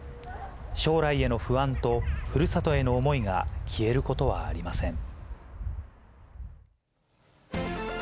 将来への不安と、ふるさとへの思いが消えることはありません。